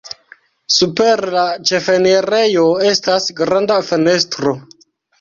Super la ĉefenirejo estas granda fenestro.